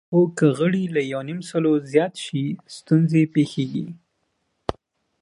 خو که غړي له یونیمسلو زیات شي، ستونزې پېښېږي.